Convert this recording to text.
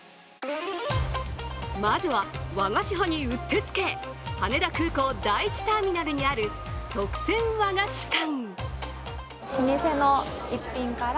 まずは和菓子派にうってつけ、羽田空港第１ターミナルにある特選和菓子館。